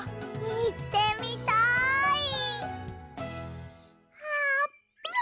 さわってみたい！